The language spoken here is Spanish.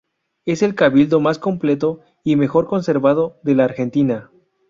Es el cabildo más completo y mejor conservado de la Argentina.